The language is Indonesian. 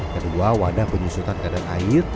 kedua wadah penyusutan keadaan air